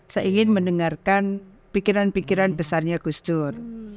saya ingin mendengarkan pikiran pikiran besarnya gustur